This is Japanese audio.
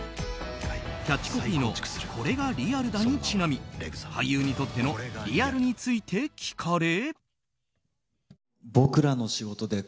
キャッチコピーのこれがリアルだにちなみ俳優にとってのリアルについて聞かれ。